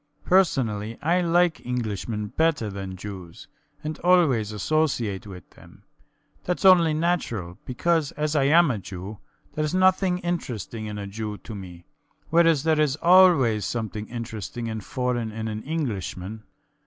Personally, I like Englishmen better than Jews, and always associate with them. Thats only natural, because, as I am a Jew, theres nothing interesting in a Jew to me, whereas there is always something interesting and foreign in an Englishman.